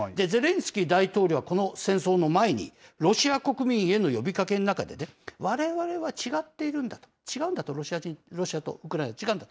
ゼレンスキー大統領は、この戦争の前に、ロシア国民への呼びかけの中で、われわれは違っているんだと、違うんだと、ロシアとウクライナ。